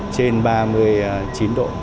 trên ba mươi chín độ